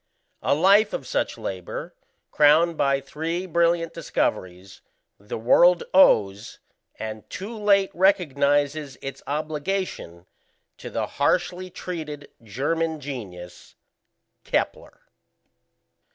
A life of such labour, crowned by three brilliant discoveries, the world owes (and too late recognizes its obligation) to the harshly treated German genius, Kepler.